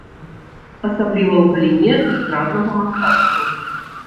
Асабліва ў галіне эстраднага мастацтва.